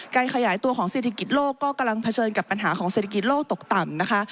ขยายตัวของเศรษฐกิจโลกก็กำลังเผชิญกับปัญหาของเศรษฐกิจโลกตกต่ำนะคะ